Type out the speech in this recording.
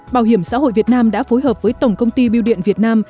bảo hiểm xã hội việt nam đã phối hợp với tổng công ty biêu điện việt nam